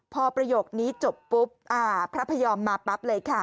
พอประโยคนี้จบปุ๊บพระพยอมมาปั๊บเลยค่ะ